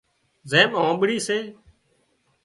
زم آنٻڙي سي